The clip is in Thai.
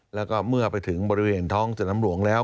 แล้วก็เมื่อไปถึงบริเวณท้องสนามหลวงแล้ว